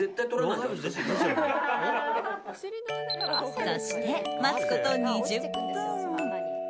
そして、待つこと２０分。